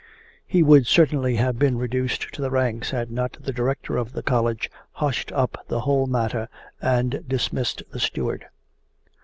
He would certainly have been reduced to the ranks had not the Director of the College hushed up the whole matter and dismissed the steward.